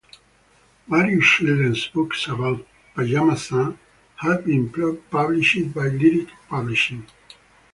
Various Children's books about Pajama Sam have been published by Lyrick Publishing.